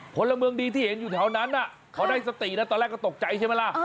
พลเมืองดีที่เห็นอยู่แถวนั้นเขาได้สตินะตอนแรกก็ตกใจใช่ไหมล่ะ